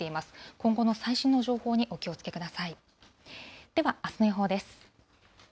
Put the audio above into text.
今後の最新の情報にお気をつけください。